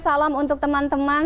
salam untuk teman teman